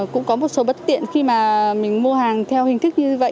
cũng có một số bất tiện khi mà mình mua hàng theo hình thức như vậy